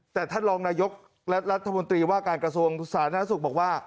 แต่ท่านรองนายกรัฐมนตรีว่าการกระทรวงสาธารณสุขบอกว่า